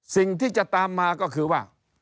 สิ่งที่จะตามมาก็คือว่า